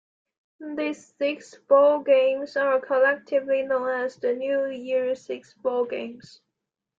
These six bowl games are collectively known as the "New Year's Six" bowl games.